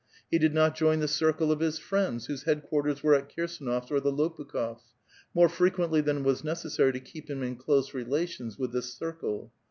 He did not join the circle of his friends, whose headquarters were at Kirsduof's or the Lopukh6fs% more frequently than was necessary to keep him in close relations with this circle.